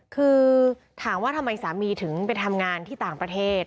คือถามว่าทำไมสามีถึงไปทำงานที่ต่างประเทศ